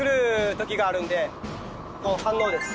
反応です。